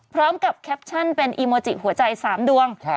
พร้อมกับแคปชั่นเป็นอีโมจิหัวใจ๓ดวง